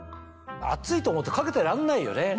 暑いと思うと掛けてらんないよね。